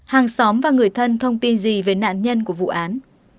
hàng xóm và người thân thông tin gì về nạn nhân của vụ án